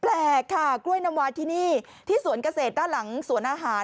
แปลกค่ะกล้วยน้ำวาที่นี่ที่สวนเกษตรด้านหลังสวนอาหาร